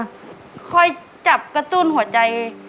หนูก็ค่อยค่อยจับกระตุ้นหัวใจ